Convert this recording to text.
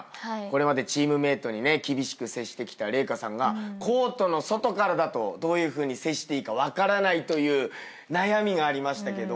これまでチームメートに厳しく接してきた麗華さんがコートの外からだとどういうふうに接していいか分からないという悩みがありましたけど。